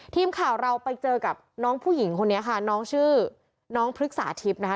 ทีมข่าวเราไปเจอกับน้องผู้หญิงคนนี้ค่ะน้องชื่อน้องพฤกษาทิพย์นะคะ